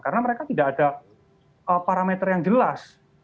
karena mereka tidak ada parameter yang jelas